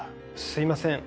すいません。